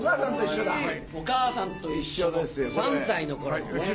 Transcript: お母さんと一緒の３歳の頃のお写真。